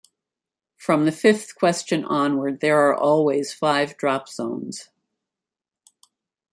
From the fifth question onward, there are always five drop zones.